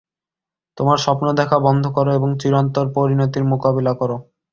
তোমার স্বপ্ন দেখা বন্ধ করো এবং চিরন্তর পরিণতির মোকাবিলা করো।